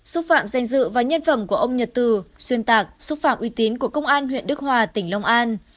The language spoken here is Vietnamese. xúc phạm danh dự và nhân phẩm của ông nhật từ xuyên tạc xúc phạm uy tín của công an huyện đức hòa tỉnh long an